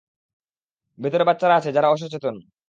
ভেতরে বাচ্চারা আছে যারা অসচেতন।